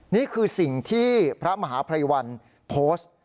นี่คือสิ่งที่พระมหาภัยวันโพสต์